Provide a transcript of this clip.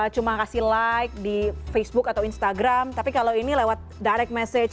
cuma kasih like di facebook atau instagram tapi kalau ini lewat direct message